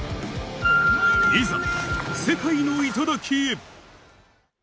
いざ、世界の頂へ。